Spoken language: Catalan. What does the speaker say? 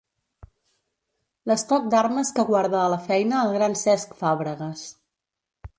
L'estoc d'armes que guarda a la feina el gran Cesc Fàbregas.